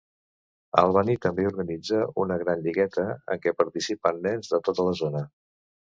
Albany també organitza una gran lligueta, en què participen nens de tota la zona.